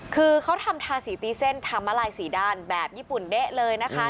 คือเขาทำทาสีตีเส้นทำมาลายสี่ด้านแบบญี่ปุ่นเด๊ะเลยนะคะ